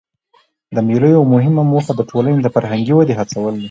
د مېلو یوه مهمه موخه د ټولني د فرهنګي ودي هڅول دي.